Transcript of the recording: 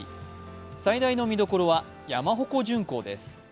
最大の見どころは山鉾巡行です。